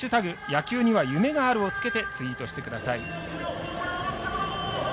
野球には夢がある」をつけてツイートしてください。